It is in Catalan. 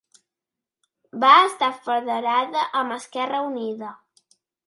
Va estar federada amb Esquerra Unida.